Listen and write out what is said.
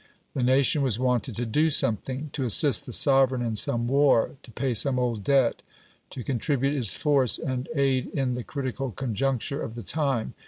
The nation was wanted to do something to assist the sovereign in some war, to pay some old debt, to contribute its force and aid in the critical conjuncture of the time.